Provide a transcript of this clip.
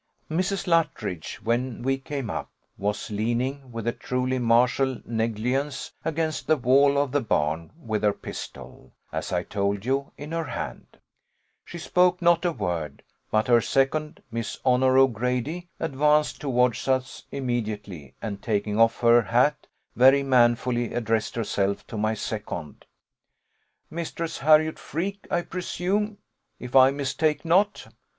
Mrs. Luttridge, when we came up, was leaning, with a truly martial negligence, against the wall of the barn, with her pistol, as I told you, in her hand. She spoke not a word; but her second, Miss Honour O'Grady, advanced towards us immediately, and, taking off her hat very manfully, addressed herself to my second 'Mistress Harriot Freke, I presume, if I mistake not.